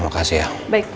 baik permisi pak